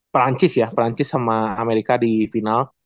perancis ya perancis sama amerika di final